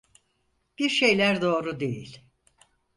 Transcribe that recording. Bir şeyler doğru değil.